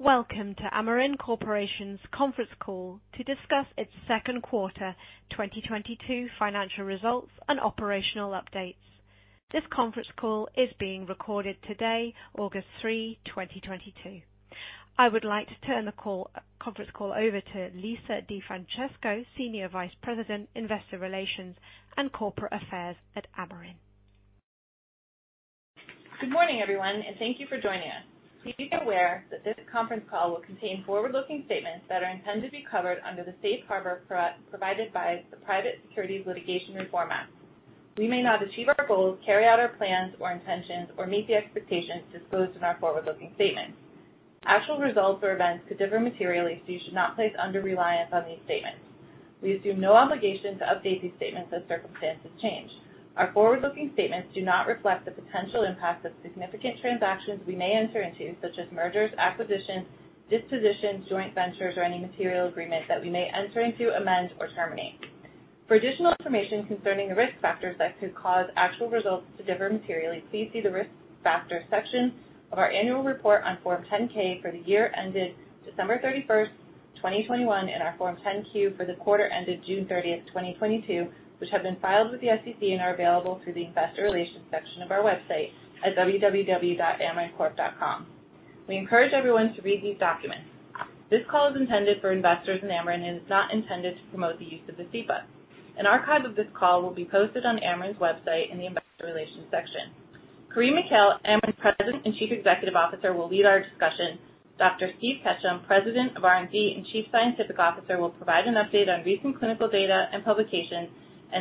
Welcome to Amarin Corporation's conference call to discuss its second quarter 2022 financial results and operational updates. This conference call is being recorded today, August 3, 2022. I would like to turn the call, conference call over to Lisa DeFrancesco, Senior Vice President, Investor Relations and Corporate Affairs at Amarin. Good morning, everyone, and thank you for joining us. Please be aware that this conference call will contain forward-looking statements that are intended to be covered under the safe harbor provided by the Private Securities Litigation Reform Act. We may not achieve our goals, carry out our plans or intentions, or meet the expectations disclosed in our forward-looking statements. Actual results or events could differ materially, so you should not place undue reliance on these statements. We assume no obligation to update these statements as circumstances change. Our forward-looking statements do not reflect the potential impact of significant transactions we may enter into, such as mergers, acquisitions, dispositions, joint ventures, or any material agreement that we may enter into, amend or terminate. For additional information concerning the risk factors that could cause actual results to differ materially, please see the risk factors section of our annual report on Form 10-K for the year ended December 31, 2021, and our Form 10-Q for the quarter ended June 30, 2022, which have been filed with the SEC and are available through the investor relations section of our website at www.amarincorp.com. We encourage everyone to read these documents. This call is intended for investors in Amarin and is not intended to promote the use of VASCEPA. An archive of this call will be posted on Amarin's website in the investor relations section. Karim Mikhail, Amarin's President and Chief Executive Officer, will lead our discussion. Dr. Steve Ketchum, President of R&D and Chief Scientific Officer, will provide an update on recent clinical data and publications.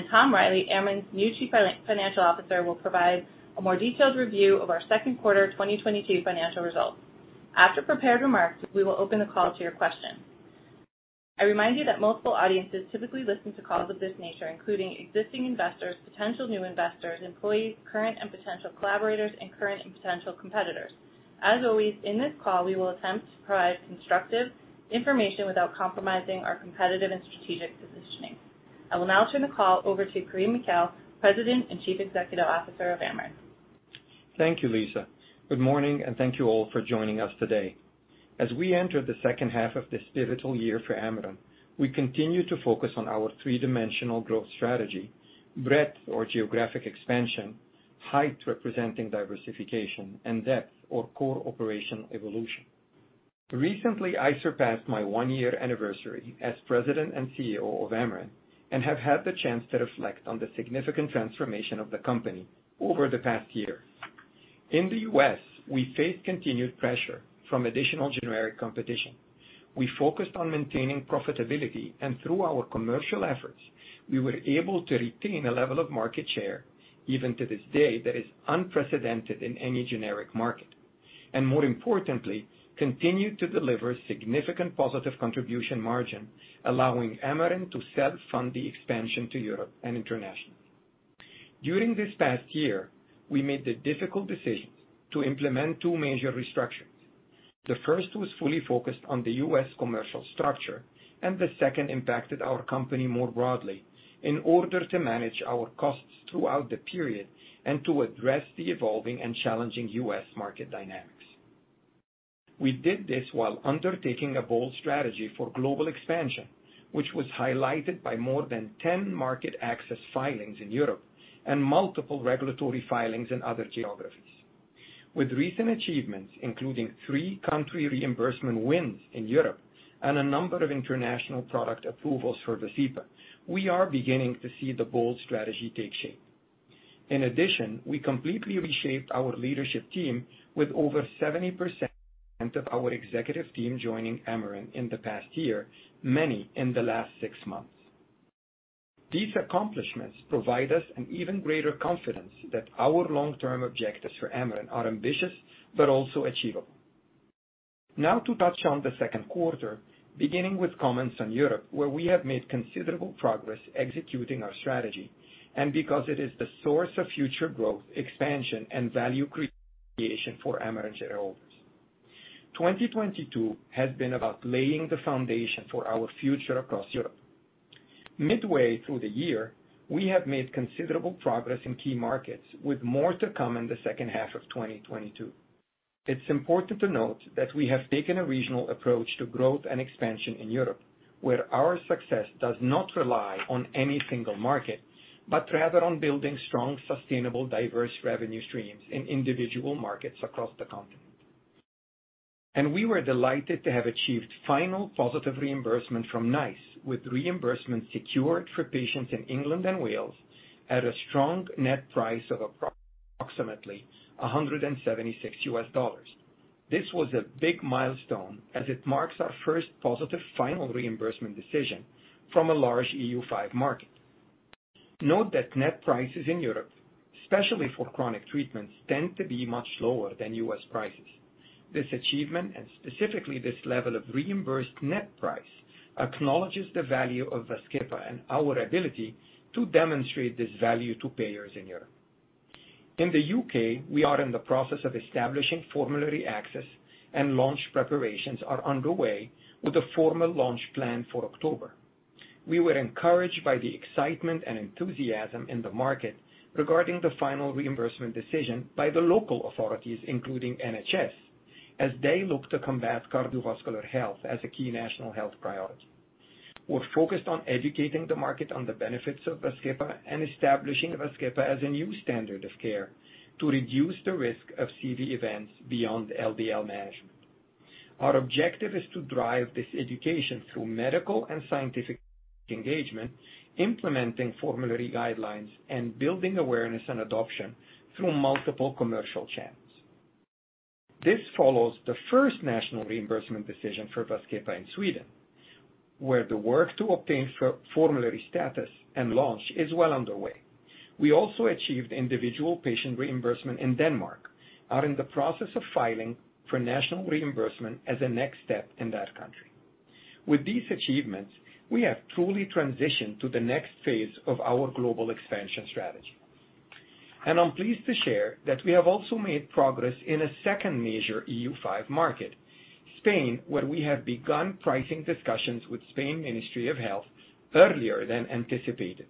Tom Reilly, Amarin's new Chief Financial Officer, will provide a more detailed review of our second quarter 2022 financial results. After prepared remarks, we will open the call to your questions. I remind you that multiple audiences typically listen to calls of this nature, including existing investors, potential new investors, employees, current and potential collaborators, and current and potential competitors. As always, in this call, we will attempt to provide constructive information without compromising our competitive and strategic positioning. I will now turn the call over to Karim Mikhail, President and Chief Executive Officer of Amarin. Thank you, Lisa. Good morning, and thank you all for joining us today. As we enter the second half of this pivotal year for Amarin, we continue to focus on our three-dimensional growth strategy, breadth or geographic expansion, height representing diversification, and depth or core operation evolution. Recently, I surpassed my one-year anniversary as President and CEO of Amarin and have had the chance to reflect on the significant transformation of the company over the past year. In the U.S., we face continued pressure from additional generic competition. We focused on maintaining profitability and through our commercial efforts, we were able to retain a level of market share, even to this day that is unprecedented in any generic market, and more importantly, continue to deliver significant positive contribution margin, allowing Amarin to self-fund the expansion to Europe and internationally. During this past year, we made the difficult decisions to implement two major restructures. The first was fully focused on the U.S. commercial structure, and the second impacted our company more broadly in order to manage our costs throughout the period and to address the evolving and challenging U.S. market dynamics. We did this while undertaking a bold strategy for global expansion, which was highlighted by more than 10 market access filings in Europe and multiple regulatory filings in other geographies. With recent achievements, including three country reimbursement wins in Europe and a number of international product approvals for VASCEPA, we are beginning to see the bold strategy take shape. In addition, we completely reshaped our leadership team with over 70% of our executive team joining Amarin in the past year, many in the last six months. These accomplishments provide us an even greater confidence that our long-term objectives for Amarin are ambitious but also achievable. Now to touch on the second quarter, beginning with comments on Europe, where we have made considerable progress executing our strategy and because it is the source of future growth, expansion and value creation for Amarin shareholders. 2022 has been about laying the foundation for our future across Europe. Midway through the year, we have made considerable progress in key markets with more to come in the second half of 2022. It's important to note that we have taken a regional approach to growth and expansion in Europe, where our success does not rely on any single market, but rather on building strong, sustainable, diverse revenue streams in individual markets across the continent. We were delighted to have achieved final positive reimbursement from NICE, with reimbursement secured for patients in England and Wales at a strong net price of approximately $176. This was a big milestone as it marks our first positive final reimbursement decision from a large EU5 market. Note that net prices in Europe, especially for chronic treatments, tend to be much lower than U.S. prices. This achievement, and specifically this level of reimbursed net price, acknowledges the value of VAZKEPA and our ability to demonstrate this value to payers in Europe. In the U.K., we are in the process of establishing formulary access and launch preparations are underway with a formal launch plan for October. We were encouraged by the excitement and enthusiasm in the market regarding the final reimbursement decision by the local authorities, including NHS, as they look to combat cardiovascular health as a key national health priority. We're focused on educating the market on the benefits of VAZKEPA and establishing VAZKEPAas a new standard of care to reduce the risk of CV events beyond LDL management. Our objective is to drive this education through medical and scientific engagement, implementing formulary guidelines, and building awareness and adoption through multiple commercial channels. This follows the first national reimbursement decision for VAZKEPA in Sweden, where the work to obtain formulary status and launch is well underway. We also achieved individual patient reimbursement in Denmark. We are in the process of filing for national reimbursement as a next step in that country. With these achievements, we have truly transitioned to the next phase of our global expansion strategy. I'm pleased to share that we have also made progress in a second major EU5 market, Spain, where we have begun pricing discussions with Spain's Ministry of Health earlier than anticipated.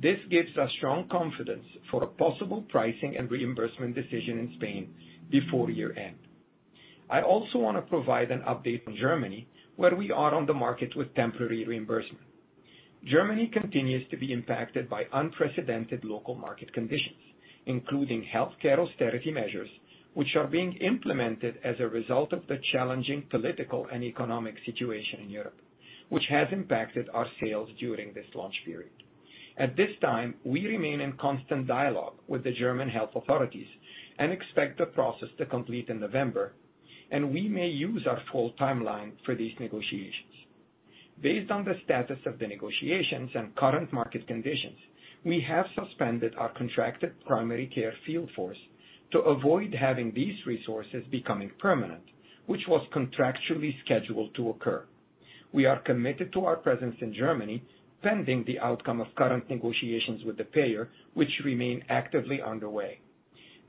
This gives us strong confidence for a possible pricing and reimbursement decision in Spain before year-end. I also wanna provide an update on Germany, where we are on the market with temporary reimbursement. Germany continues to be impacted by unprecedented local market conditions, including healthcare austerity measures, which are being implemented as a result of the challenging political and economic situation in Europe, which has impacted our sales during this launch period. At this time, we remain in constant dialogue with the German health authorities and expect the process to complete in November, and we may use our full timeline for these negotiations. Based on the status of the negotiations and current market conditions, we have suspended our contracted primary care field force to avoid having these resources becoming permanent, which was contractually scheduled to occur. We are committed to our presence in Germany, pending the outcome of current negotiations with the payer, which remain actively underway.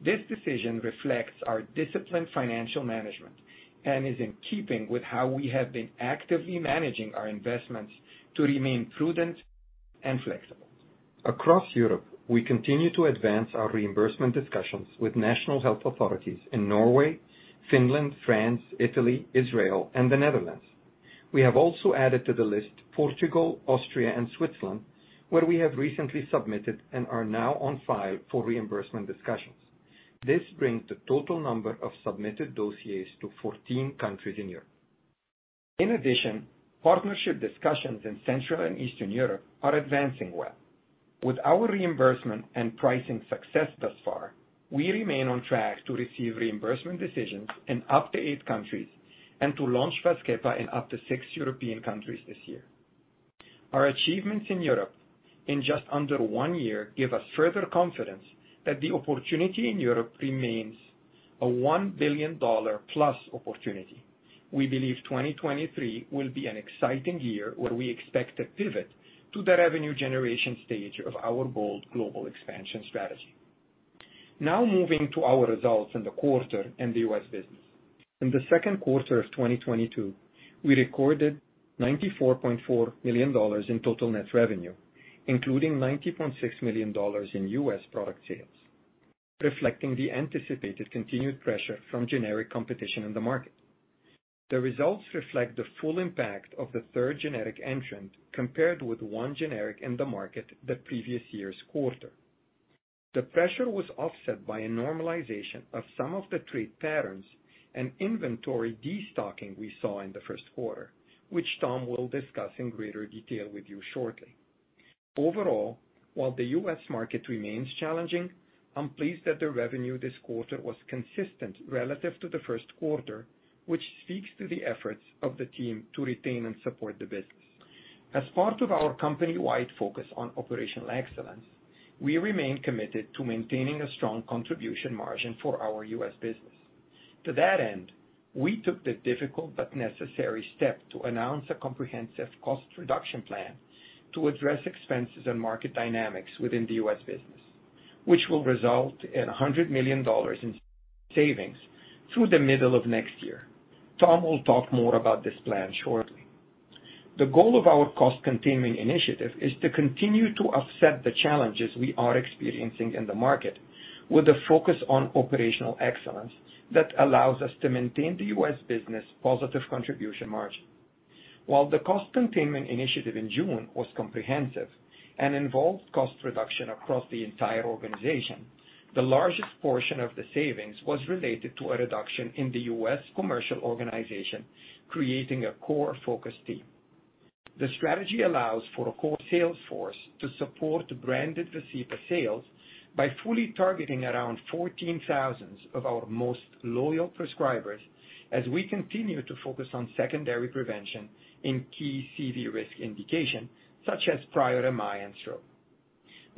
This decision reflects our disciplined financial management and is in keeping with how we have been actively managing our investments to remain prudent and flexible. Across Europe, we continue to advance our reimbursement discussions with national health authorities in Norway, Finland, France, Italy, Israel, and the Netherlands. We have also added to the list Portugal, Austria, and Switzerland, where we have recently submitted and are now on file for reimbursement discussions. This brings the total number of submitted dossiers to 14 countries in Europe. In addition, partnership discussions in Central and Eastern Europe are advancing well. With our reimbursement and pricing success thus far, we remain on track to receive reimbursement decisions in up to eight countries and to launch VAZKEPA in up to six European countries this year. Our achievements in Europe in just under one year give us further confidence that the opportunity in Europe remains a $1 billion+ opportunity. We believe 2023 will be an exciting year where we expect to pivot to the revenue generation stage of our bold global expansion strategy. Now moving to our results in the quarter and the U.S. business. In the second quarter of 2022, we recorded $94.4 million in total net revenue, including $90.6 million in U.S. product sales, reflecting the anticipated continued pressure from generic competition in the market. The results reflect the full impact of the third generic entrant compared with one generic in the market the previous year's quarter. The pressure was offset by a normalization of some of the trade patterns and inventory destocking we saw in the first quarter, which Tom will discuss in greater detail with you shortly. Overall, while the U.S. market remains challenging, I'm pleased that the revenue this quarter was consistent relative to the first quarter, which speaks to the efforts of the team to retain and support the business. As part of our company-wide focus on operational excellence, we remain committed to maintaining a strong contribution margin for our U.S. business. To that end, we took the difficult but necessary step to announce a comprehensive cost reduction plan to address expenses and market dynamics within the U.S. business, which will result in $100 million in savings through the middle of next year. Tom will talk more about this plan shortly. The goal of our cost-containment initiative is to continue to offset the challenges we are experiencing in the market with a focus on operational excellence that allows us to maintain the U.S. business positive contribution margin. While the cost-containment initiative in June was comprehensive and involved cost reduction across the entire organization, the largest portion of the savings was related to a reduction in the U.S. commercial organization, creating a core focus team. The strategy allows for a core sales force to support branded VASCEPA sales by fully targeting around 14,000 of our most loyal prescribers as we continue to focus on secondary prevention in key CV risk indication, such as prior MI and stroke.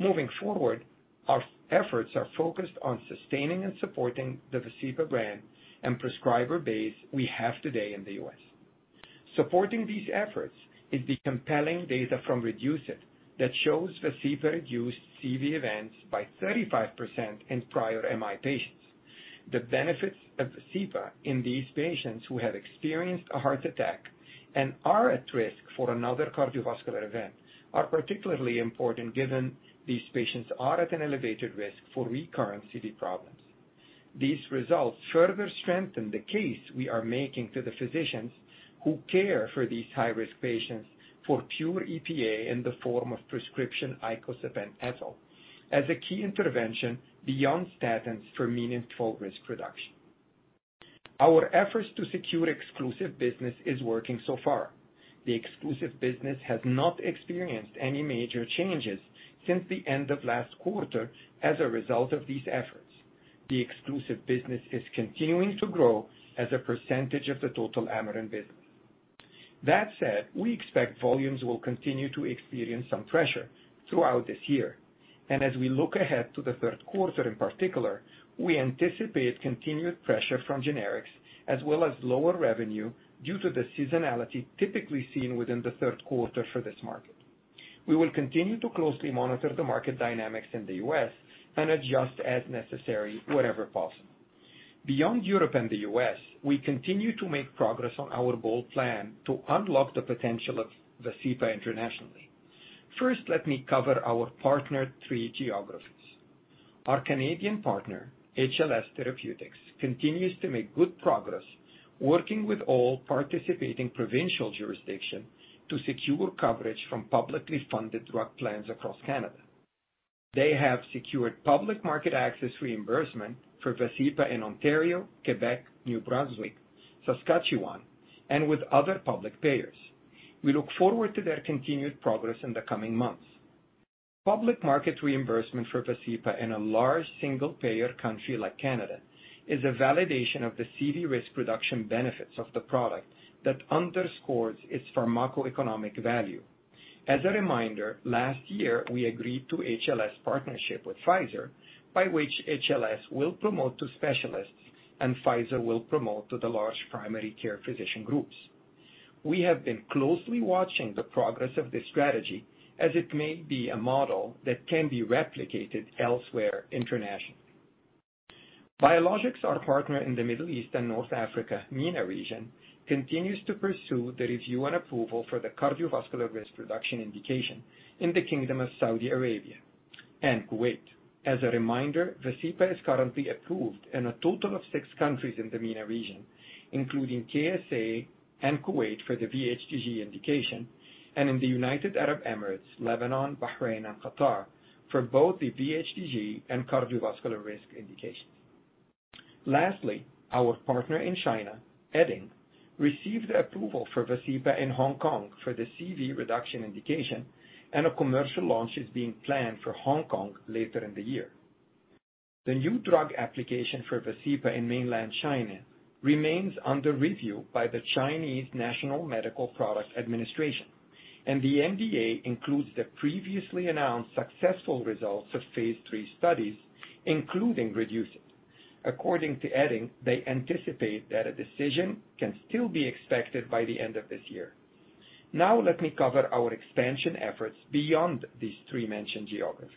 Moving forward, our efforts are focused on sustaining and supporting the VASCEPA brand and prescriber base we have today in the U.S. Supporting these efforts is the compelling data from REDUCE-IT that shows VASCEPA reduced CV events by 35% in prior MI patients. The benefits of VASCEPA in these patients who have experienced a heart attack and are at risk for another cardiovascular event are particularly important given these patients are at an elevated risk for recurrent CV problems. These results further strengthen the case we are making to the physicians who care for these high-risk patients for pure EPA in the form of prescription icosapent ethyl as a key intervention beyond statins for meaningful risk reduction. Our efforts to secure exclusive business is working so far. The exclusive business has not experienced any major changes since the end of last quarter as a result of these efforts. The exclusive business is continuing to grow as a percentage of the total Amarin business. That said, we expect volumes will continue to experience some pressure throughout this year. As we look ahead to the third quarter in particular, we anticipate continued pressure from generics as well as lower revenue due to the seasonality typically seen within the third quarter for this market. We will continue to closely monitor the market dynamics in the U.S. and adjust as necessary wherever possible. Beyond Europe and the U.S., we continue to make progress on our bold plan to unlock the potential of VASCEPA internationally. First, let me cover our partners in three geographies. Our Canadian partner, HLS Therapeutics, continues to make good progress working with all participating provincial jurisdictions to secure coverage from publicly funded drug plans across Canada. They have secured public market access reimbursement for VASCEPA in Ontario, Quebec, New Brunswick, Saskatchewan, and with other public payers. We look forward to their continued progress in the coming months. Public market reimbursement for VASCEPA in a large single-payer country like Canada is a validation of the CV risk reduction benefits of the product that underscores its pharmacoeconomic value. As a reminder, last year, we agreed to HLS partnership with Pfizer, by which HLS will promote to specialists, and Pfizer will promote to the large primary care physician groups. We have been closely watching the progress of this strategy as it may be a model that can be replicated elsewhere internationally. Biologix, our partner in the Middle East and North Africa, MENA region, continues to pursue the review and approval for the cardiovascular risk reduction indication in the Kingdom of Saudi Arabia and Kuwait. As a reminder, Vascepa is currently approved in a total of six countries in the MENA region, including KSA and Kuwait for the VHTG indication, and in the United Arab Emirates, Lebanon, Bahrain, and Qatar for both the VHTG and cardiovascular risk indications. Lastly, our partner in China, EddingPharm, received the approval for VASCEPA in Hong Kong for the CV reduction indication, and a commercial launch is being planned for Hong Kong later in the year. The new drug application for VASCEPA in mainland China remains under review by the Chinese National Medical Product Administration, and the NDA includes the previously announced successful results of phase III studies, including REDUCE-IT. According to Edding, they anticipate that a decision can still be expected by the end of this year. Now let me cover our expansion efforts beyond these three mentioned geographies.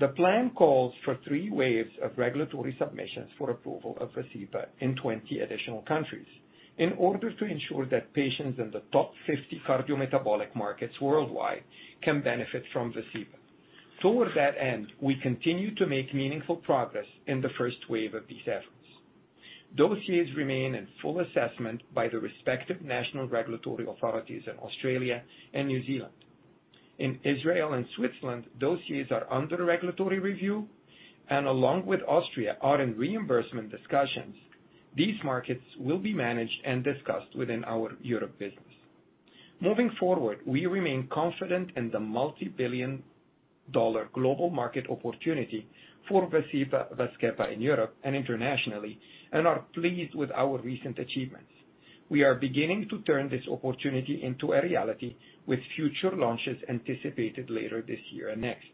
The plan calls for three waves of regulatory submissions for approval of VASCEPA in 20 additional countries in order to ensure that patients in the top 50 cardiometabolic markets worldwide can benefit from VASCEPA. Toward that end, we continue to make meaningful progress in the first wave of these efforts. Dossiers remain in full assessment by the respective national regulatory authorities in Australia and New Zealand. In Israel and Switzerland, dossiers are under regulatory review, and along with Austria, are in reimbursement discussions. These markets will be managed and discussed within our Europe business. Moving forward, we remain confident in the multi-billion-dollar global market opportunity for VASCEPA in Europe and internationally, and are pleased with our recent achievements. We are beginning to turn this opportunity into a reality with future launches anticipated later this year and next.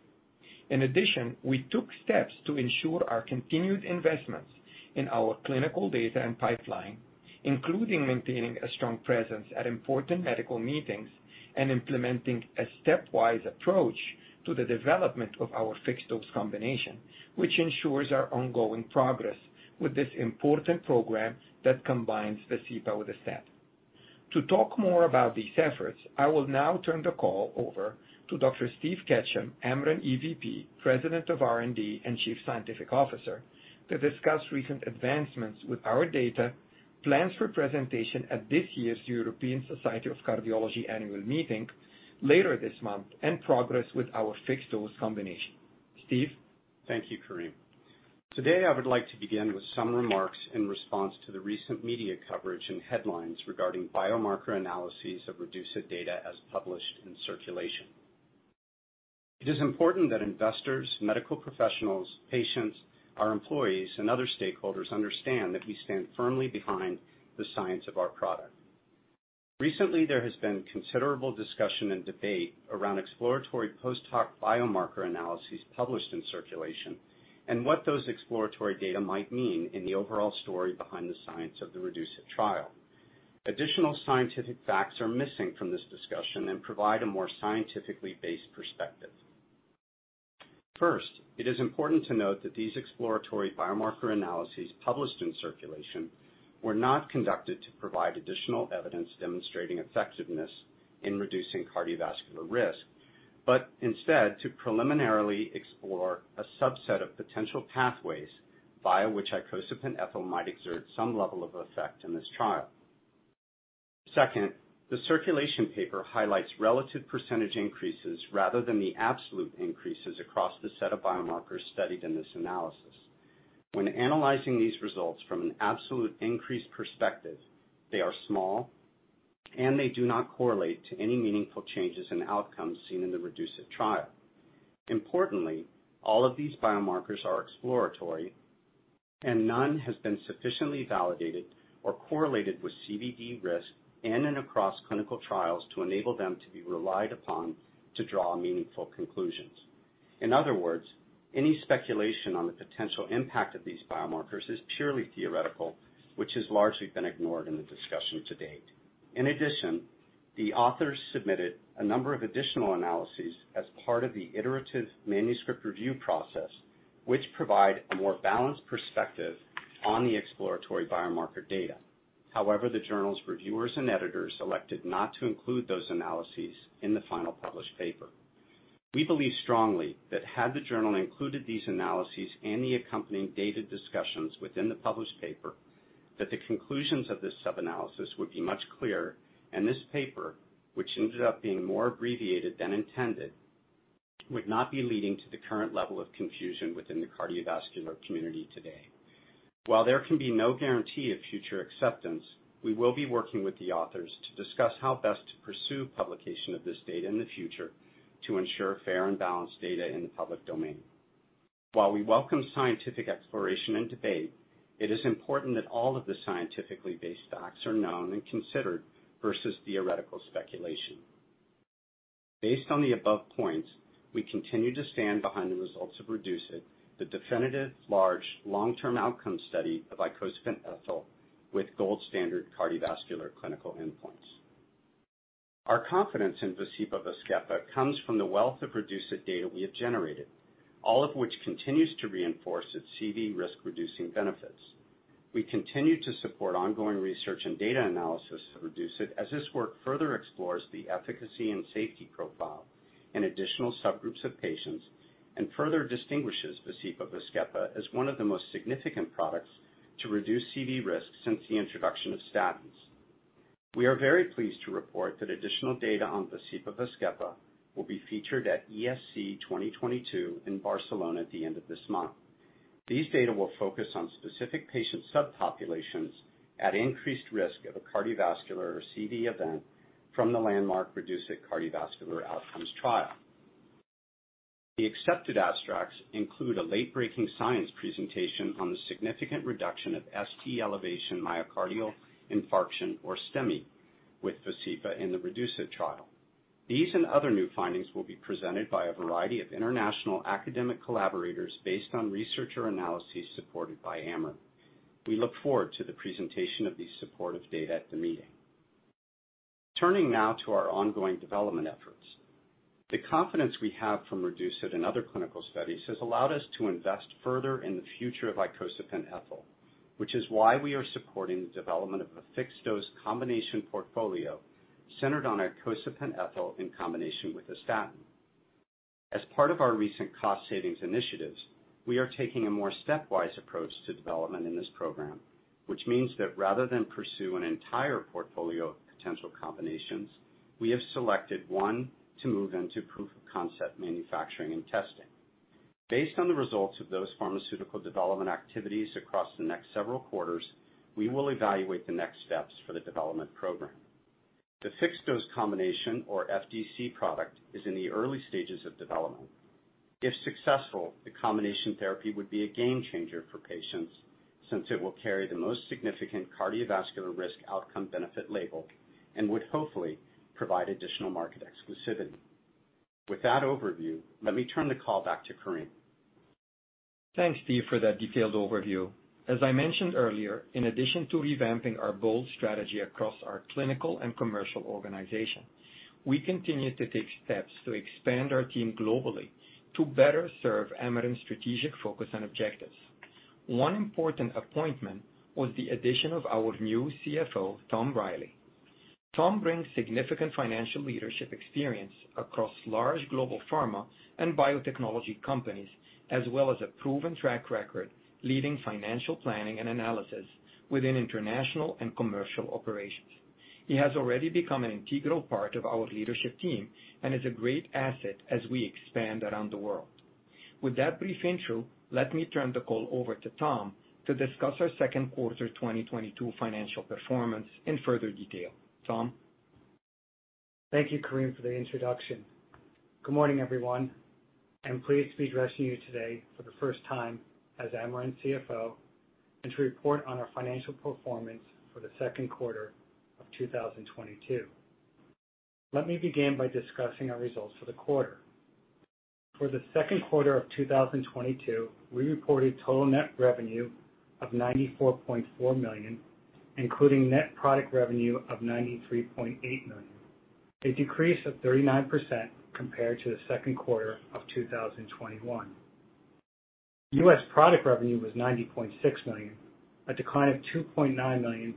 In addition, we took steps to ensure our continued investments in our clinical data and pipeline, including maintaining a strong presence at important medical meetings and implementing a stepwise approach to the development of our fixed-dose combination, which ensures our ongoing progress with this important program that combines VASCEPA with a statin. To talk more about these efforts, I will now turn the call over to Dr. Steve Ketchum, Amarin EVP, President of R&D, and Chief Scientific Officer, to discuss recent advancements with our data, plans for presentation at this year's European Society of Cardiology annual meeting later this month, and progress with our fixed-dose combination. Steve? Thank you, Karim. Today, I would like to begin with some remarks in response to the recent media coverage and headlines regarding biomarker analyses of REDUCE-IT data as published in Circulation. It is important that investors, medical professionals, patients, our employees, and other stakeholders understand that we stand firmly behind the science of our product. Recently, there has been considerable discussion and debate around exploratory post-hoc biomarker analyses published in Circulation and what those exploratory data might mean in the overall story behind the science of the REDUCE-IT trial. Additional scientific facts are missing from this discussion and provide a more scientifically based perspective. First, it is important to note that these exploratory biomarker analyses published in circulation were not conducted to provide additional evidence demonstrating effectiveness in reducing cardiovascular risk, but instead to preliminarily explore a subset of potential pathways via which icosapent ethyl might exert some level of effect in this trial. Second, the circulation paper highlights relative percentage increases rather than the absolute increases across the set of biomarkers studied in this analysis. When analyzing these results from an absolute increase perspective, they are small, and they do not correlate to any meaningful changes in outcomes seen in the REDUCE-IT trial. Importantly, all of these biomarkers are exploratory, and none has been sufficiently validated or correlated with CVD risk in and across clinical trials to enable them to be relied upon to draw meaningful conclusions. In other words, any speculation on the potential impact of these biomarkers is purely theoretical, which has largely been ignored in the discussion to date. In addition, the authors submitted a number of additional analyses as part of the iterative manuscript review process, which provide a more balanced perspective on the exploratory biomarker data. However, the journal's reviewers and editors elected not to include those analyses in the final published paper. We believe strongly that had the journal included these analyses and the accompanying data discussions within the published paper, that the conclusions of this sub-analysis would be much clearer, and this paper, which ended up being more abbreviated than intended, would not be leading to the current level of confusion within the cardiovascular community today. While there can be no guarantee of future acceptance, we will be working with the authors to discuss how best to pursue publication of this data in the future to ensure fair and balanced data in the public domain. While we welcome scientific exploration and debate, it is important that all of the scientifically based facts are known and considered versus theoretical speculation. Based on the above points, we continue to stand behind the results of REDUCE-IT, the definitive large long-term outcome study of icosapent ethyl with gold standard cardiovascular clinical endpoints. Our confidence in VASCEPA/VAZKEPA comes from the wealth of REDUCE-IT data we have generated, all of which continues to reinforce its CV risk-reducing benefits. We continue to support ongoing research and data analysis of REDUCE-IT as this work further explores the efficacy and safety profile in additional subgroups of patients, and further distinguishes VASCEPA/VAZKEPA as one of the most significant products to reduce CV risk since the introduction of statins. We are very pleased to report that additional data on VASCEPA/VAZKEPA will be featured at ESC 2022 in Barcelona at the end of this month. These data will focus on specific patient subpopulations at increased risk of a cardiovascular or CV event from the landmark REDUCE-IT cardiovascular outcomes trial. The accepted abstracts include a late-breaking science presentation on the significant reduction of ST elevation myocardial infarction, or STEMI, with VASCEPA in the REDUCE-IT trial. These and other new findings will be presented by a variety of international academic collaborators based on researcher analyses supported by Amarin. We look forward to the presentation of these supportive data at the meeting. Turning now to our ongoing development efforts. The confidence we have from REDUCE-IT and other clinical studies has allowed us to invest further in the future of icosapent ethyl, which is why we are supporting the development of a fixed-dose combination portfolio centered on icosapent ethyl in combination with a statin. As part of our recent cost savings initiatives, we are taking a more stepwise approach to development in this program, which means that rather than pursue an entire portfolio of potential combinations, we have selected one to move into proof of concept manufacturing and testing. Based on the results of those pharmaceutical development activities across the next several quarters, we will evaluate the next steps for the development program. The fixed-dose combination, or FDC product, is in the early stages of development. If successful, the combination therapy would be a game changer for patients since it will carry the most significant cardiovascular risk outcome benefit label and would hopefully provide additional market exclusivity. With that overview, let me turn the call back to Karim. Thanks, Steve, for that detailed overview. As I mentioned earlier, in addition to revamping our bold strategy across our clinical and commercial organization, we continue to take steps to expand our team globally to better serve Amarin's strategic focus and objectives. One important appointment was the addition of our new CFO, Tom Reilly. Tom brings significant financial leadership experience across large global pharma and biotechnology companies, as well as a proven track record leading financial planning and analysis within international and commercial operations. He has already become an integral part of our leadership team and is a great asset as we expand around the world. With that brief intro, let me turn the call over to Tom to discuss our second quarter 2022 financial performance in further detail. Tom? Thank you, Karim, for the introduction. Good morning, everyone. I'm pleased to be addressing you today for the first time as Amarin's CFO and to report on our financial performance for the second quarter of 2022. Let me begin by discussing our results for the quarter. For the second quarter of 2022, we reported total net revenue of $94.4 million, including net product revenue of $93.8 million, a decrease of 39% compared to the second quarter of 2021. U.S. product revenue was $90.6 million, a decline of $2.9 million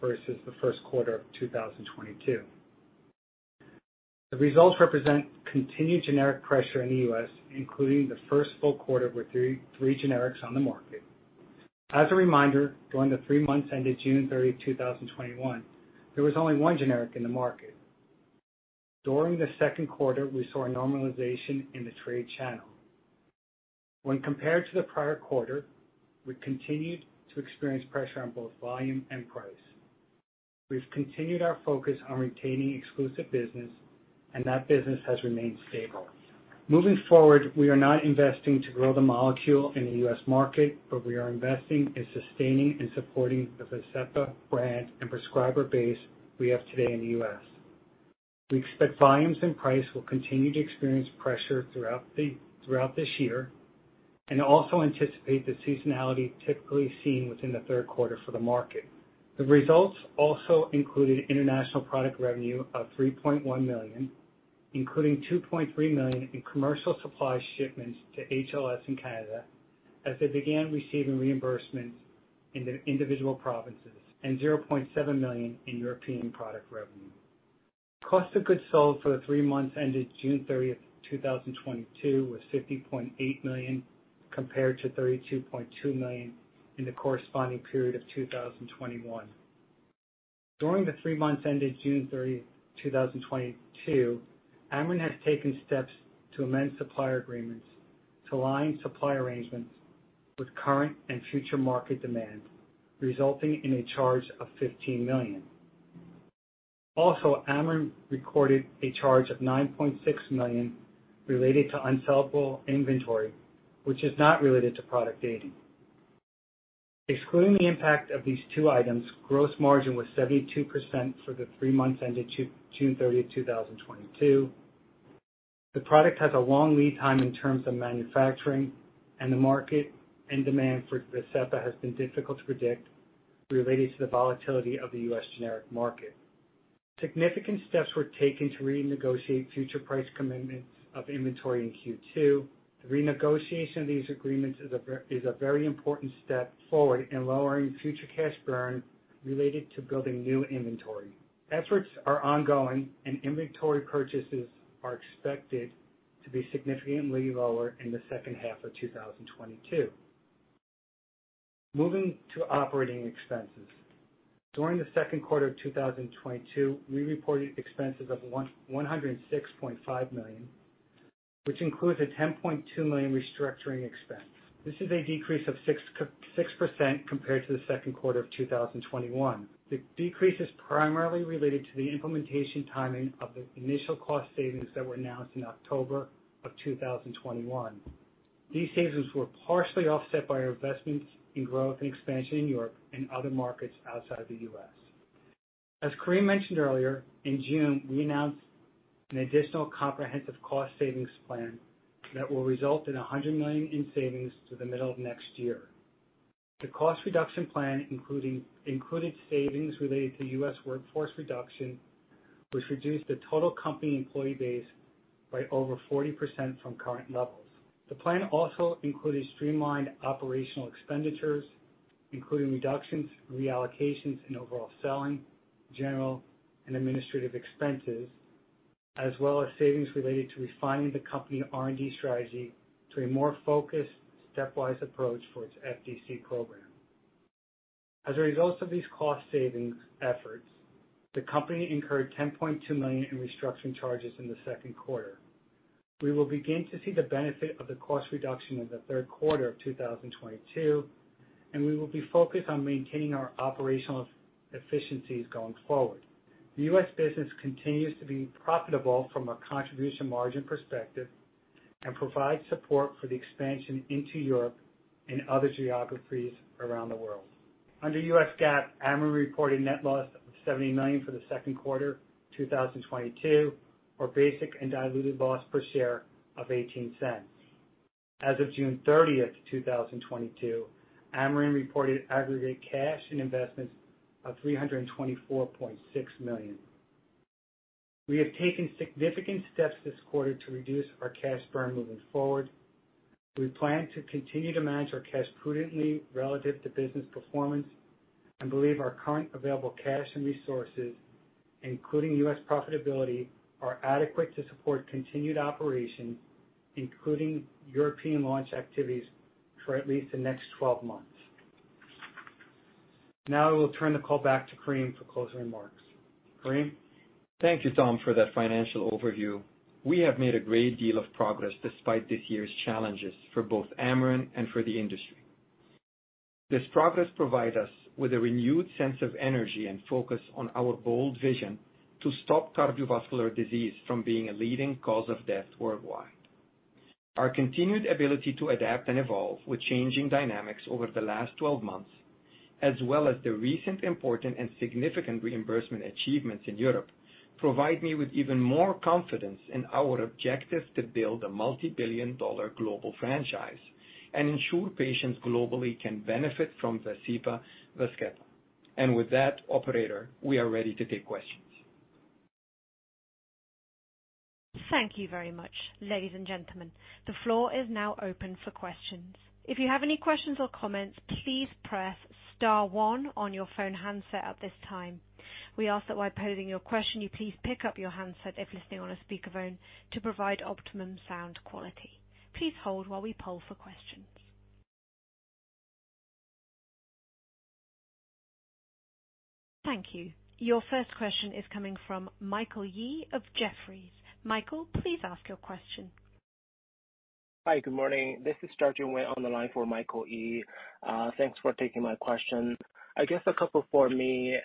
versus the first quarter of 2022. The results represent continued generic pressure in the U.S., including the first full quarter with three generics on the market. As a reminder, during the three months ended June 30, 2021, there was only one generic in the market. During the second quarter, we saw a normalization in the trade channel. When compared to the prior quarter, we continued to experience pressure on both volume and price. We've continued our focus on retaining exclusive business, and that business has remained stable. Moving forward, we are not investing to grow the molecule in the U.S. market, but we are investing in sustaining and supporting the VASCEPA brand and prescriber base we have today in the U.S. We expect volumes and price will continue to experience pressure throughout this year, and also anticipate the seasonality typically seen within the third quarter for the market. The results also included international product revenue of $3.1 million, including $2.3 million in commercial supply shipments to HLS in Canada, as they began receiving reimbursements in the individual provinces, and $0.7 million in European product revenue. Cost of goods sold for the three months ended June 30th, 2022 was $50.8 million compared to $32.2 million in the corresponding period of 2021. During the three months ended June 30, 2022, Amarin has taken steps to amend supplier agreements to align supply arrangements with current and future market demand, resulting in a charge of $15 million. Also, Amarin recorded a charge of $9.6 million related to unsellable inventory, which is not related to product dating. Excluding the impact of these two items, gross margin was 72% for the three months ended June 30, 2022. The product has a long lead time in terms of manufacturing, and the market and demand for VASCEPA has been difficult to predict related to the volatility of the U.S. generic market. Significant steps were taken to renegotiate future price commitments of inventory in Q2. The renegotiation of these agreements is a very important step forward in lowering future cash burn related to building new inventory. Efforts are ongoing, and inventory purchases are expected to be significantly lower in the second half of 2022. Moving to operating expenses. During the second quarter of 2022, we reported expenses of $106.5 million, which includes a $10.2 million restructuring expense. This is a decrease of 6% compared to the second quarter of 2021. The decrease is primarily related to the implementation timing of the initial cost savings that were announced in October of 2021. These savings were partially offset by our investments in growth and expansion in Europe and other markets outside the U.S. As Karim mentioned earlier, in June, we announced an additional comprehensive cost savings plan that will result in $100 million in savings to the middle of next year. The cost reduction plan included savings related to U.S. workforce reduction, which reduced the total company employee base by over 40% from current levels. The plan also included streamlined operational expenditures, including reductions and reallocations in overall selling, general, and administrative expenses, as well as savings related to refining the company R&D strategy to a more focused stepwise approach for its FDC program. As a result of these cost savings efforts, the company incurred $10.2 million in restructuring charges in the second quarter. We will begin to see the benefit of the cost reduction in the third quarter of 2022, and we will be focused on maintaining our operational efficiencies going forward. The U.S. business continues to be profitable from a contribution margin perspective and provides support for the expansion into Europe and other geographies around the world. Under U.S. GAAP, Amarin reported net loss of $70 million for the second quarter 2022 or basic and diluted loss per share of $0.18. As of June 30th, 2022, Amarin reported aggregate cash and investments of $324.6 million. We have taken significant steps this quarter to reduce our cash burn moving forward. We plan to continue to manage our cash prudently relative to business performance and believe our current available cash and resources, including U.S. profitability, are adequate to support continued operations, including European launch activities for at least the next 12 months. Now I will turn the call back to Karim for closing remarks. Karim? Thank you, Tom, for that financial overview. We have made a great deal of progress despite this year's challenges for both Amarin and for the industry. This progress provides us with a renewed sense of energy and focus on our bold vision to stop cardiovascular disease from being a leading cause of death worldwide. Our continued ability to adapt and evolve with changing dynamics over the last twelve months. As well as the recent important and significant reimbursement achievements in Europe, provide me with even more confidence in our objectives to build a multi-billion dollar global franchise and ensure patients globally can benefit from VASCEPA/VAZKEPA. With that, operator, we are ready to take questions. Thank you very much, ladies and gentlemen. The floor is now open for questions. If you have any questions or comments, please press star one on your phone handset at this time. We ask that while posing your question, you please pick up your handset if listening on a speakerphone to provide optimum sound quality. Please hold while we poll for questions. Thank you. Your first question is coming from Michael Yee of Jefferies. Michael, please ask your question. Hi. Good morning. This is Jiajun Wang on the line for Michael Yee. Thanks for taking my question. I guess a couple for me.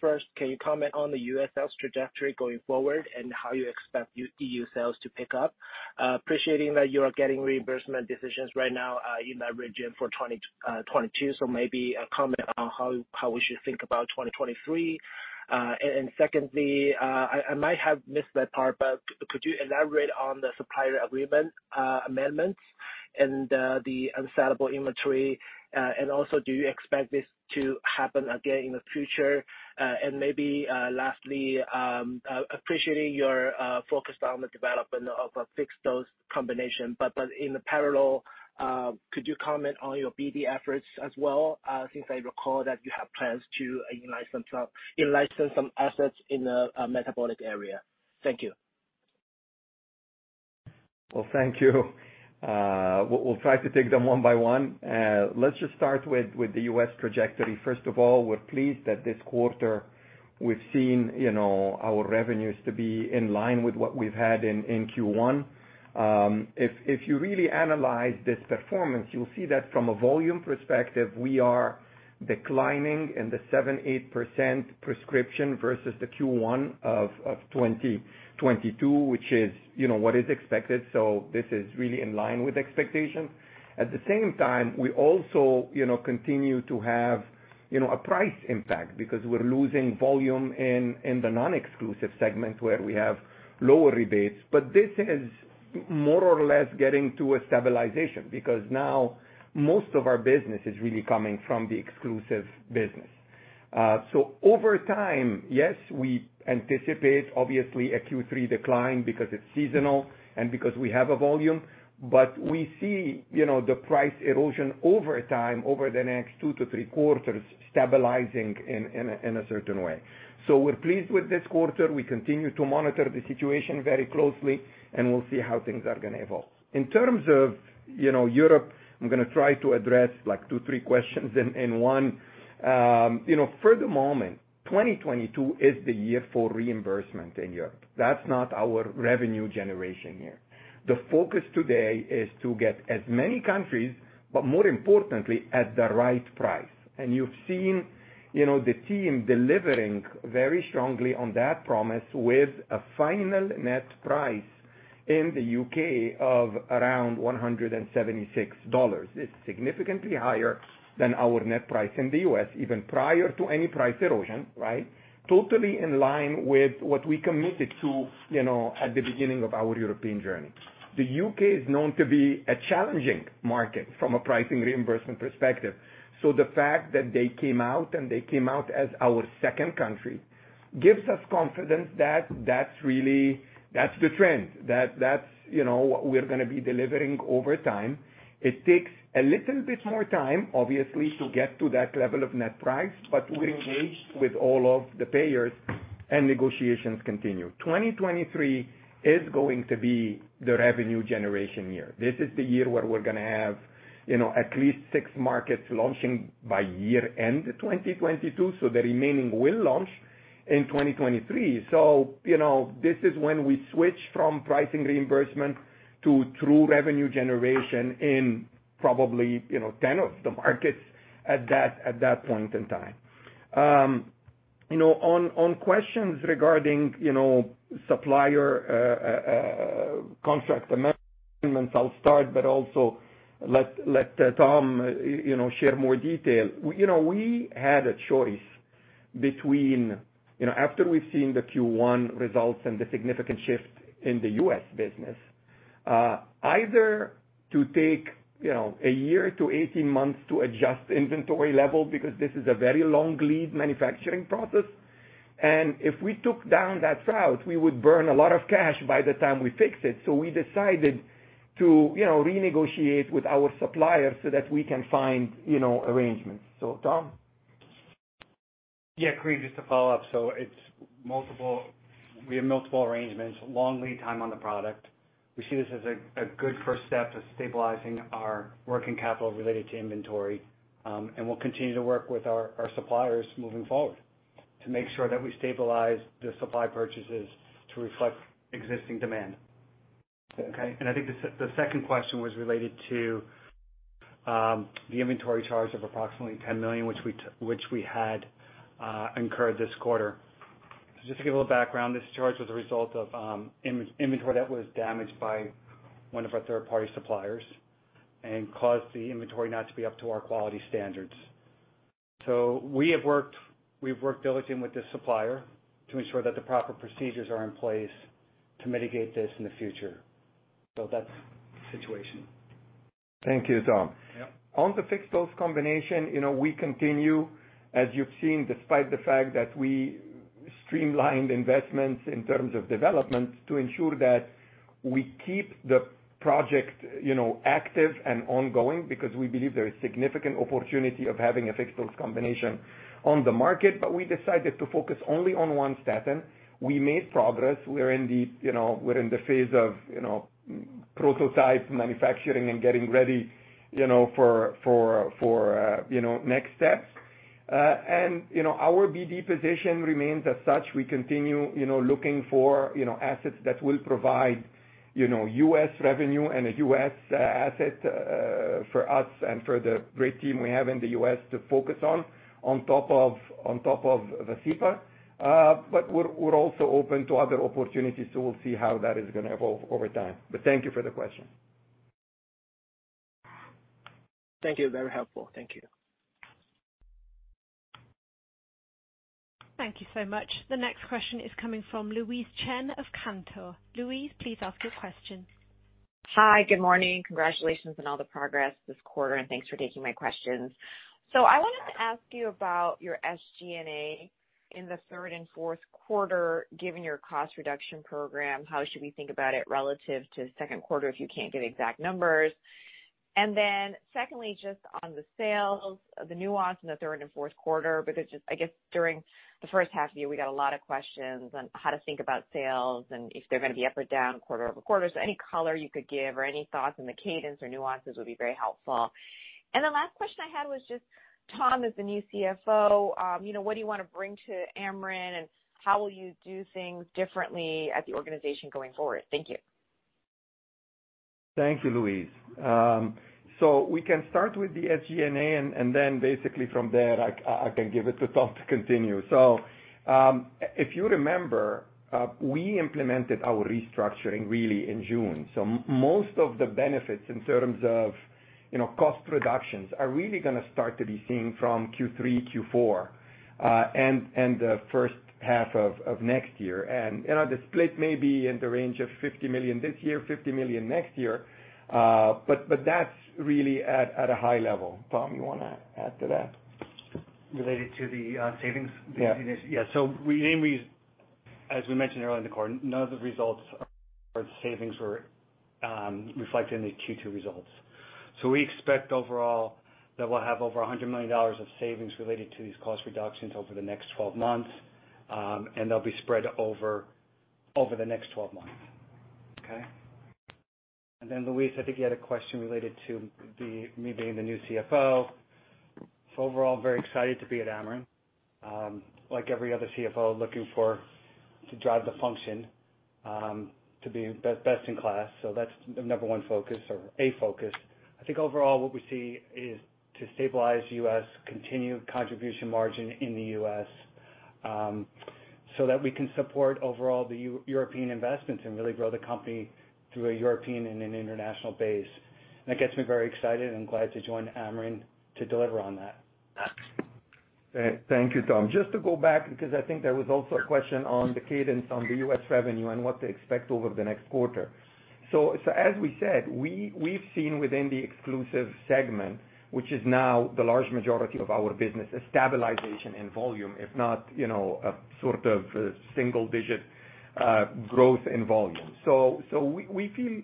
First, can you comment on the U.S. sales trajectory going forward and how you expect EU sales to pick up? Appreciating that you are getting reimbursement decisions right now, in that region for 2022. Maybe a comment on how we should think about 2023. Secondly, I might have missed that part, but could you elaborate on the supplier agreement amendments and the unsellable inventory? Also, do you expect this to happen again in the future? Maybe lastly, appreciating your focus on the development of a fixed-dose combination, but in parallel, could you comment on your BD efforts as well? Since I recall that you have plans to in-license some assets in the metabolic area. Thank you. Well, thank you. We'll try to take them one by one. Let's just start with the U.S. trajectory. First of all, we're pleased that this quarter we've seen, you know, our revenues to be in line with what we've had in Q1. If you really analyze this performance, you'll see that from a volume perspective, we are declining in the 7%, 8% prescription versus the Q1 of 2022, which is, you know, what is expected. This is really in line with expectation. At the same time, we also, you know, continue to have, you know, a price impact because we're losing volume in the non-exclusive segment where we have lower rebates. This is more or less getting to a stabilization, because now most of our business is really coming from the exclusive business. Over time, yes, we anticipate obviously a Q3 decline because it's seasonal and because we have a volume, but we see, you know, the price erosion over time over the next two to three quarters stabilizing in a certain way. We're pleased with this quarter. We continue to monitor the situation very closely, and we'll see how things are gonna evolve. In terms of, you know, Europe, I'm gonna try to address like two to three questions in one. You know, for the moment, 2022 is the year for reimbursement in Europe. That's not our revenue generation year. The focus today is to get as many countries, but more importantly, at the right price. You've seen, you know, the team delivering very strongly on that promise with a final net price in the U.K. of around $176. It's significantly higher than our net price in the U.S., even prior to any price erosion, right? Totally in line with what we committed to, you know, at the beginning of our European journey. The U.K. is known to be a challenging market from a pricing reimbursement perspective. The fact that they came out as our second country gives us confidence that that's the trend. That's, you know, what we're gonna be delivering over time. It takes a little bit more time, obviously, to get to that level of net price, but we're engaged with all of the payers, and negotiations continue. 2023 is going to be the revenue generation year. This is the year where we're gonna have, you know, at least six markets launching by year-end 2022, so the remaining will launch in 2023. You know, this is when we switch from pricing reimbursement to true revenue generation in probably, you know, 10 of the markets at that point in time. You know, on questions regarding, you know, supplier contract amendments, I'll start, but also let Tom, you know, share more detail. We, you know, had a choice between, you know, after we've seen the Q1 results and the significant shift in the U.S. business, either to take, you know, a year to 18 months to adjust inventory level because this is a very long lead manufacturing process, and if we took that route, we would burn a lot of cash by the time we fixed it. We decided to, you know, renegotiate with our suppliers so that we can find, you know, arrangements. Tom. Yeah, Karim Mikhail, just to follow up. It's multiple—we have multiple arrangements, long lead time on the product. We see this as a good first step to stabilizing our working capital related to inventory. We'll continue to work with our suppliers moving forward to make sure that we stabilize the supply purchases to reflect existing demand. Okay. I think the second question was related to the inventory charge of approximately $10 million, which we had incurred this quarter. Just to give a little background, this charge was a result of inventory that was damaged by one of our third-party suppliers and caused the inventory not to be up to our quality standards. We've worked diligently with this supplier to ensure that the proper procedures are in place to mitigate this in the future. That's the situation. Thank you, Tom. Yep. On the fixed-dose combination, you know, we continue, as you've seen, despite the fact that we streamlined investments in terms of development to ensure that we keep the project, you know, active and ongoing because we believe there is significant opportunity of having a fixed-dose combination on the market, but we decided to focus only on one statin. We made progress. We're in the phase of, you know, prototype manufacturing and getting ready, you know, for next steps. Our BD position remains as such. We continue, you know, looking for, you know, assets that will provide, you know, U.S. revenue and a U.S. asset for us and for the great team we have in the U.S. to focus on top of VASCEPA. We're also open to other opportunities, so we'll see how that is gonna evolve over time. Thank you for the question. Thank you. Very helpful. Thank you. Thank you so much. The next question is coming from Louise Chen of Cantor. Louise, please ask your question. Hi. Good morning. Congratulations on all the progress this quarter, and thanks for taking my questions. I wanted to ask you about your SG&A in the third and fourth quarter, given your cost reduction program. How should we think about it relative to the second quarter, if you can't give exact numbers? Secondly, just on the sales, the nuance in the third and fourth quarter, because just, I guess, during the first half of the year, we got a lot of questions on how to think about sales and if they're gonna be up or down quarter-over-quarter. Any color you could give or any thoughts on the cadence or nuances would be very helpful. The last question I had was just Tom, as the new CFO, what do you wanna bring to Amarin, and how will you do things differently at the organization going forward? Thank you. Thank you, Louise. We can start with the SG&A, and then basically from there, I can give it to Tom to continue. If you remember, we implemented our restructuring really in June. Most of the benefits in terms of, you know, cost reductions are really gonna start to be seen from Q3, Q4, and the first half of next year. You know, the split may be in the range of $50 million this year, $50 million next year, but that's really at a high level. Tom, you wanna add to that? Related to the savings initiative? Yeah. Yeah. We mainly, as we mentioned earlier in the call, none of the results or savings were reflected in the Q2 results. We expect overall that we'll have over $100 million of savings related to these cost reductions over the next twelve months, and they'll be spread over the next twelve months. Okay? Then, Louise, I think you had a question related to me being the new CFO. Overall, very excited to be at Amarin. Like every other CFO, looking for to drive the function to be best in class. That's the number one focus or a focus. I think overall what we see is to stabilize U.S., continue contribution margin in the US, so that we can support overall the European investments and really grow the company through a European and an international base. That gets me very excited and glad to join Amarin to deliver on that. Thank you, Tom. Just to go back, because I think there was also a question on the cadence on the U.S. revenue and what to expect over the next quarter. As we said, we've seen within the exclusive segment, which is now the large majority of our business, a stabilization in volume, if not, you know, a sort of a single-digit growth in volume. We feel,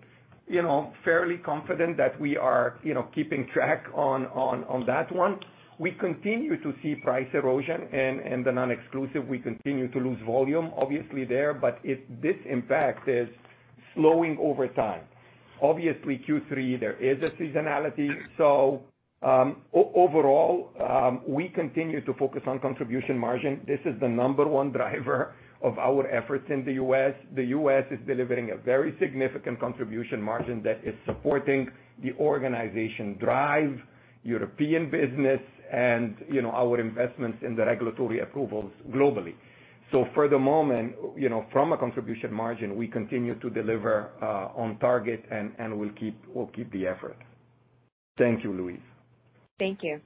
you know, fairly confident that we are, you know, keeping track on that one. We continue to see price erosion and the non-exclusive, we continue to lose volume obviously there. But this impact is slowing over time. Obviously, Q3, there is a seasonality. Overall, we continue to focus on contribution margin. This is the number one driver of our efforts in the U.S. The U.S. is delivering a very significant contribution margin that is supporting the organization drive European business and, you know, our investments in the regulatory approvals globally. For the moment, you know, from a contribution margin, we continue to deliver on target and we'll keep the effort. Thank you, Louise. Thank you.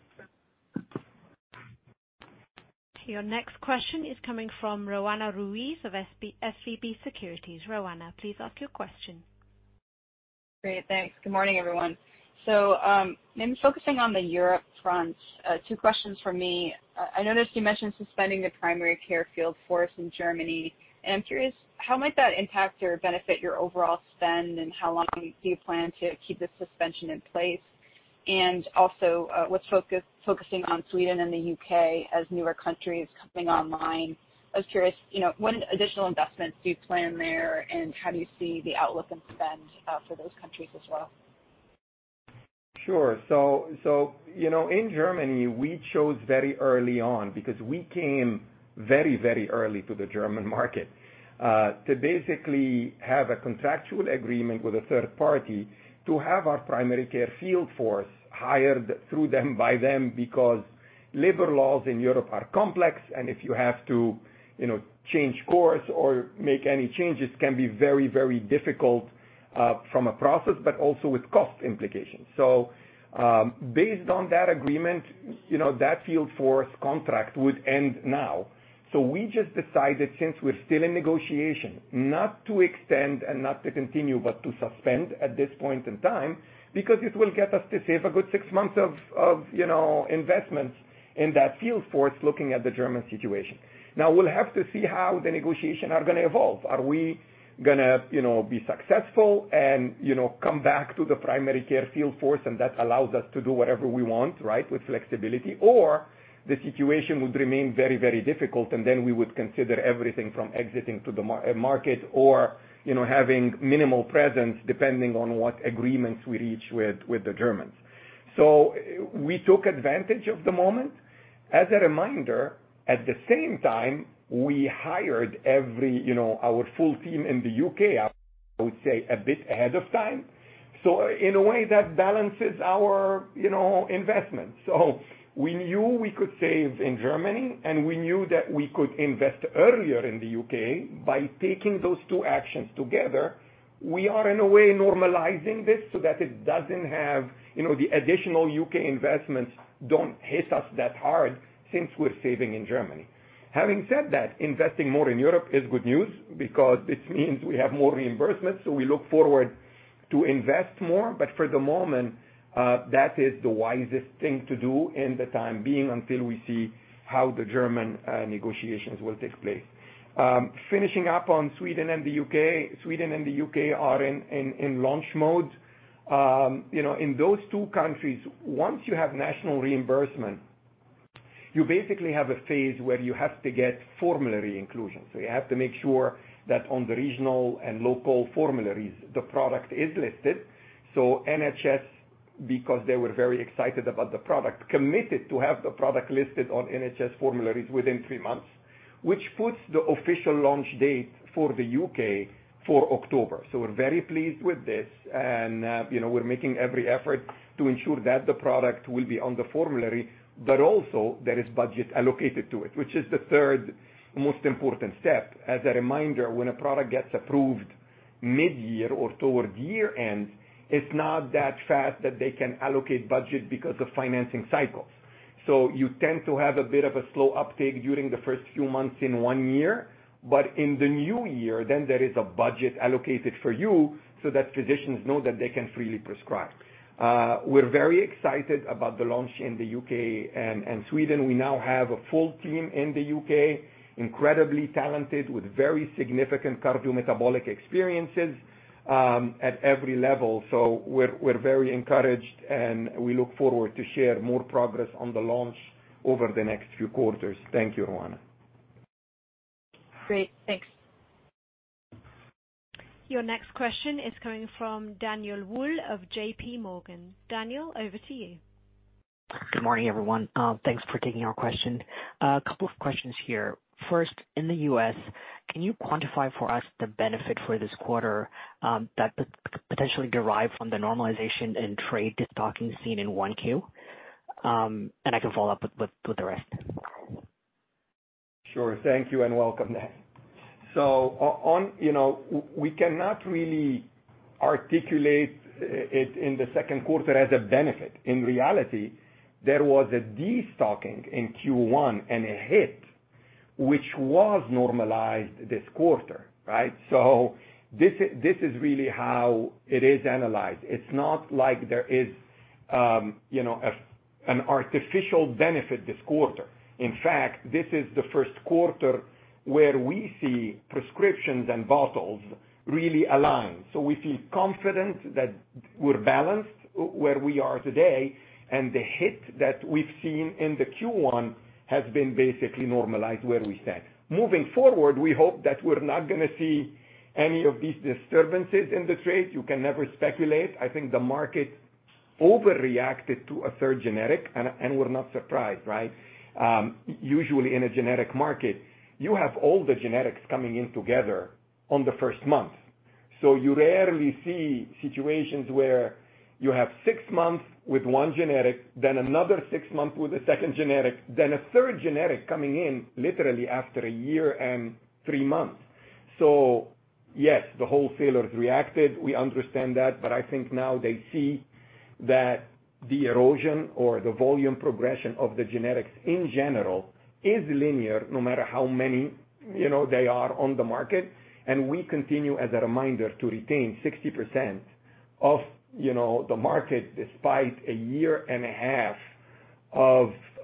Your next question is coming from Roanna Ruiz of SVB Securities. Roanna, please ask your question. Great. Thanks. Good morning, everyone. Maybe focusing on the Europe front, two questions from me. I noticed you mentioned suspending the primary care field force in Germany, and I'm curious how might that impact or benefit your overall spend and how long do you plan to keep the suspension in place? And also, what's focusing on Sweden and the U.K. As newer countries coming online? I was curious, you know, what additional investments do you plan there, and how do you see the outlook and spend for those countries as well? Sure. You know, in Germany, we chose very early on because we came very, very early to the German market to basically have a contractual agreement with a third party to have our primary care field force hired through them by them because labor laws in Europe are complex, and if you have to, you know, change course or make any changes, can be very, very difficult from a process, but also with cost implications. Based on that agreement, you know, that field force contract would end now. We just decided, since we're still in negotiation, not to extend and not to continue, but to suspend at this point in time because it will get us to save a good six months of, you know, investments in that field force looking at the German situation. Now we'll have to see how the negotiation are gonna evolve. Are we gonna, you know, be successful and, you know, come back to the primary care field force, and that allows us to do whatever we want, right, with flexibility? Or the situation would remain very, very difficult, and then we would consider everything from exiting to the market or, you know, having minimal presence depending on what agreements we reach with the Germans. We took advantage of the moment. As a reminder, at the same time, we hired, you know, our full team in the U.K.., I would say, a bit ahead of time. In a way, that balances our, you know, investment. We knew we could save in Germany, and we knew that we could invest earlier in the UK. By taking those two actions together, we are in a way normalizing this so that it doesn't have, you know, the additional U.K. investments don't hit us that hard since we're saving in Germany. Having said that, investing more in Europe is good news because this means we have more reimbursements, so we look forward to invest more. But for the moment, that is the wisest thing to do for the time being until we see how the German negotiations will take place. Finishing up on Sweden and the U.K. Sweden and the U.K. are in launch mode. You know, in those two countries, once you have national reimbursement, you basically have a phase where you have to get formulary inclusion. So you have to make sure that on the regional and local formularies, the product is listed. NHS, because they were very excited about the product, committed to have the product listed on NHS formularies within three months, which puts the official launch date for the U.K. For October. We're very pleased with this and, you know, we're making every effort to ensure that the product will be on the formulary, but also there is budget allocated to it, which is the third most important step. As a reminder, when a product gets approved mid-year or toward year-end, it's not that fast that they can allocate budget because of financing cycles. You tend to have a bit of a slow uptake during the first few months in one year, but in the new year, then there is a budget allocated for you so that physicians know that they can freely prescribe. We're very excited about the launch in the U.K. and Sweden. We now have a full team in the U.K., incredibly talented with very significant cardiometabolic experiences at every level. We're very encouraged, and we look forward to share more progress on the launch over the next few quarters. Thank you, Roanna. Great. Thanks. Your next question is coming from Danielle Wolle of JPMorgan. Danielle, over to you. Good morning, everyone. Thanks for taking our question. A couple of questions here. First, in the U.S., can you quantify for us the benefit for this quarter, that potentially derive from the normalization in trade destocking seen in 1Q? I can follow up with the rest. Sure. Thank you, and welcome. We cannot really articulate it in the second quarter as a benefit. In reality, there was a destocking in Q1 and a hit which was normalized this quarter, right? This is really how it is analyzed. It's not like there is, you know, an artificial benefit this quarter. In fact, this is the first quarter where we see prescriptions and bottles really align. We feel confident that we're balanced where we are today, and the hit that we've seen in the Q1 has been basically normalized where we stand. Moving forward, we hope that we're not gonna see any of these disturbances in the trade. You can never speculate. I think the market overreacted to a third generic, and we're not surprised, right? Usually in a generic market, you have all the generics coming in together on the first month. You rarely see situations where you have six months with one generic, then another six months with a second generic, then a third generic coming in literally after a year and three months. Yes, the wholesalers reacted. We understand that, but I think now they see that the erosion or the volume progression of the generics in general is linear, no matter how many, you know, they are on the market. We continue, as a reminder, to retain 60% of, you know, the market despite a year and a half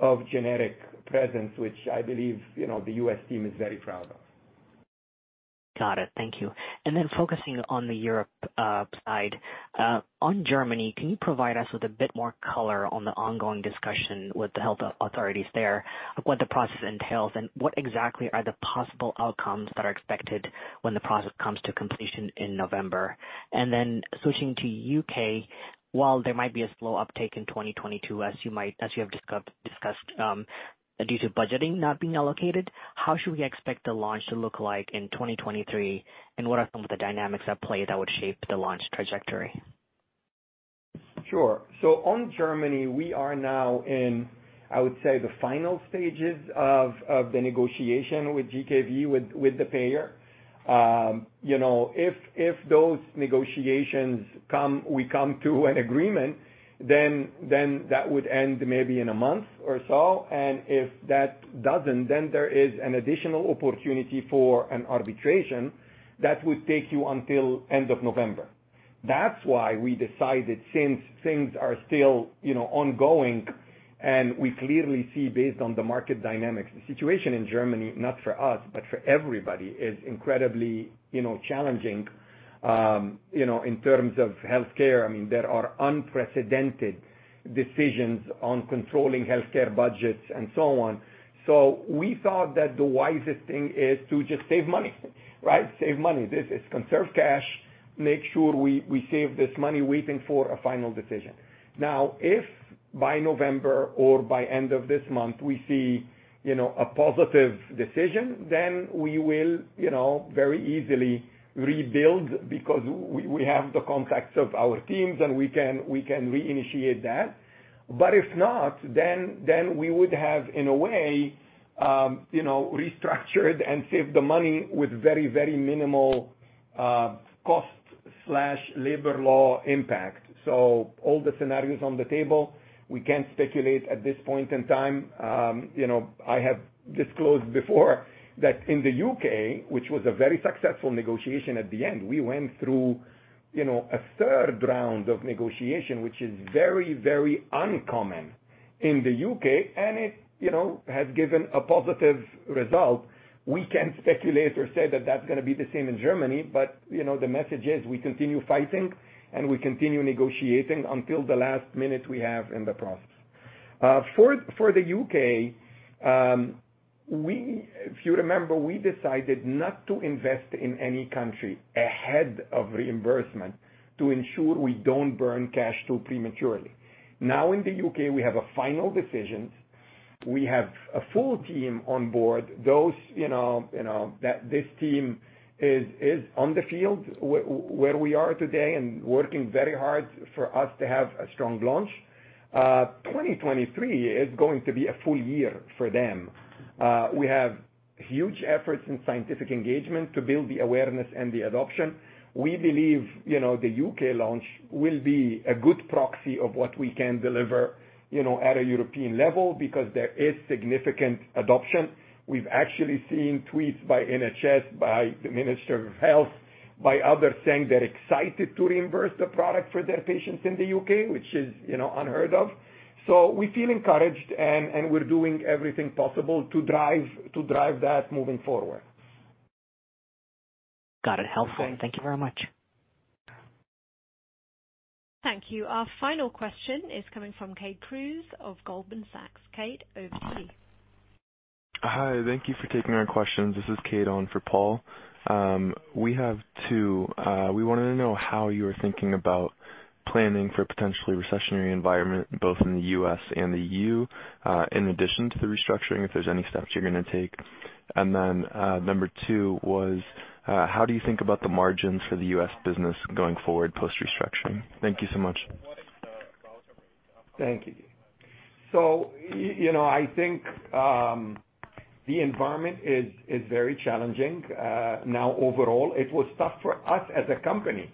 of generic presence, which I believe, you know, the U.S. team is very proud of. Got it. Thank you. Focusing on the Europe side. On Germany, can you provide us with a bit more color on the ongoing discussion with the health authorities there, of what the process entails and what exactly are the possible outcomes that are expected when the process comes to completion in November? Switching to U.K., while there might be a slow uptake in 2022, as you have discussed, due to budgeting not being allocated, how should we expect the launch to look like in 2023, and what are some of the dynamics at play that would shape the launch trajectory? Sure. On Germany, we are now in, I would say, the final stages of the negotiation with GKV, with the payer. You know, if those negotiations, we come to an agreement, then that would end maybe in a month or so. If that doesn't, then there is an additional opportunity for an arbitration that would take you until end of November. That's why we decided since things are still, you know, ongoing, and we clearly see based on the market dynamics, the situation in Germany, not for us, but for everybody, is incredibly, you know, challenging, you know, in terms of healthcare. I mean, there are unprecedented decisions on controlling healthcare budgets and so on. We thought that the wisest thing is to just save money, right? Save money. This is to conserve cash, make sure we save this money waiting for a final decision. Now, if by November or by end of this month, we see, you know, a positive decision, then we will, you know, very easily rebuild because we have the contracts of our teams, and we can reinitiate that. If not, then we would have, in a way, you know, restructured and saved the money with very minimal cost or labor law impact. All the scenarios on the table, we can't speculate at this point in time. You know, I have disclosed before that in the U.K., which was a very successful negotiation at the end, we went through, you know, a third round of negotiation, which is very uncommon in the U.K., and it, you know, has given a positive result. We can't speculate or say that that's gonna be the same in Germany, but, you know, the message is we continue fighting, and we continue negotiating until the last minute we have in the process. For the U.K., if you remember, we decided not to invest in any country ahead of reimbursement to ensure we don't burn cash too prematurely. Now in the U.K., we have a final decision. We have a full team on board. Those, you know, that this team is on the field where we are today and working very hard for us to have a strong launch. 2023 is going to be a full year for them. We have huge efforts in scientific engagement to build the awareness and the adoption. We believe, you know, the U.K. launch will be a good proxy of what we can deliver, you know, at a European level because there is significant adoption. We've actually seen tweets by NHS, by the Minister of Health, by others saying they're excited to reimburse the product for their patients in the U.K., which is, you know, unheard of. We feel encouraged, and we're doing everything possible to drive that moving forward. Got it. Helpful. Okay. Thank you very much. Thank you. Our final question is coming from Kate Cruz of Goldman Sachs. Kate, over to you. Hi. Thank you for taking our questions. This is Kate on for Paul. We have two. We wanted to know how you were thinking about planning for a potentially recessionary environment, both in the U.S. and the EU, in addition to the restructuring, if there's any steps you're gonna take. Number two was, how do you think about the margins for the U.S. business going forward post-restructuring? Thank you so much. Thank you. You know, I think the environment is very challenging now overall. It was tough for us as a company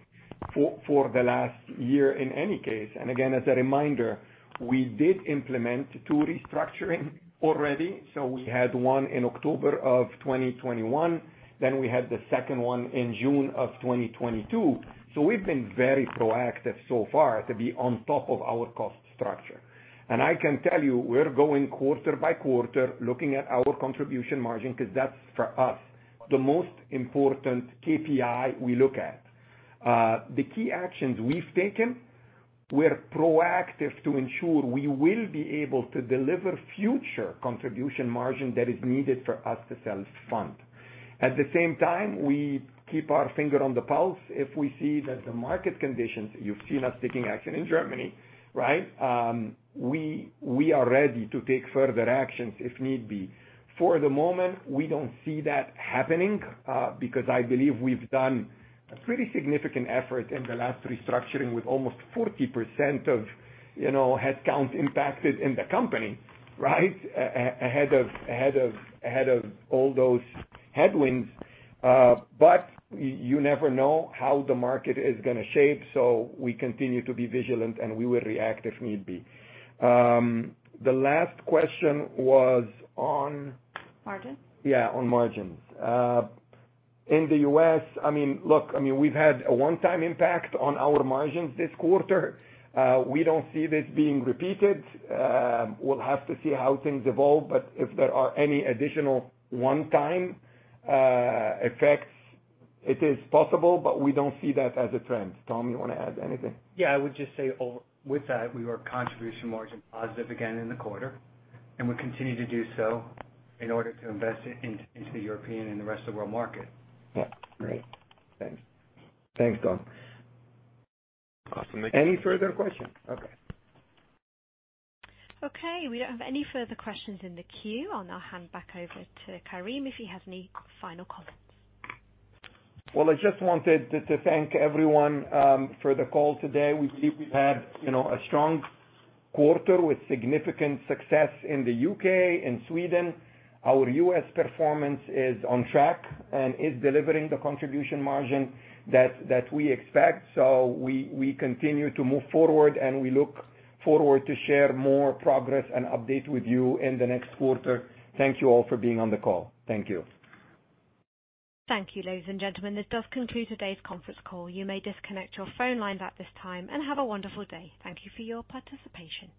for the last year in any case. Again, as a reminder, we did implement two restructuring already. We had one in October of 2021, then we had the second one in June of 2022. We've been very proactive so far to be on top of our cost structure. I can tell you, we're going quarter by quarter, looking at our contribution margin because that's, for us, the most important KPI we look at. The key actions we've taken, we're proactive to ensure we will be able to deliver future contribution margin that is needed for us to self-fund. At the same time, we keep our finger on the pulse. If we see that the market conditions, you've seen us taking action in Germany, right? We are ready to take further actions if need be. For the moment, we don't see that happening, because I believe we've done a pretty significant effort in the last restructuring with almost 40% of, you know, headcount impacted in the company, right? Ahead of all those headwinds. But you never know how the market is gonna shape, so we continue to be vigilant, and we will react if need be. The last question was on- Margins. Yeah, on margins. In the U.S., I mean, look, I mean, we've had a one-time impact on our margins this quarter. We don't see this being repeated. We'll have to see how things evolve. If there are any additional one-time effects, it is possible, but we don't see that as a trend. Tom, you wanna add anything? Yeah. I would just say with that, we were contribution margin positive again in the quarter, and we continue to do so in order to invest into the European and the rest of the world market. Yeah. Great. Thanks, Tom. Awesome. Thank you. Any further questions? Okay. Okay. We don't have any further questions in the queue. I'll now hand back over to Karim if he has any final comments. Well, I just wanted to thank everyone for the call today. We've had, you know, a strong quarter with significant success in the U.K., in Sweden. Our U.S. performance is on track and is delivering the contribution margin that we expect. We continue to move forward, and we look forward to share more progress and update with you in the next quarter. Thank you all for being on the call. Thank you. Thank you, ladies and gentlemen. This does conclude today's conference call. You may disconnect your phone lines at this time and have a wonderful day. Thank you for your participation.